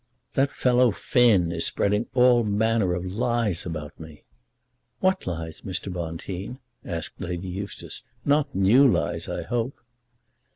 "That fellow Finn is spreading all manner of lies about me." "What lies, Mr. Bonteen?" asked Lady Eustace. "Not new lies, I hope."